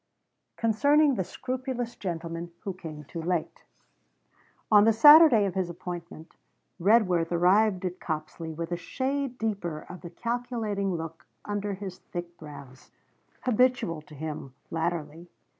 CONCERNING THE SCRUPULOUS GENTLEMAN WHO CAME TOO LATE On the Saturday of his appointment Redworth arrived at Copsley, with a shade deeper of the calculating look under his thick brows, habitual to him latterly.